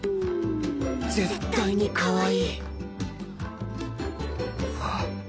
絶対にかわいい！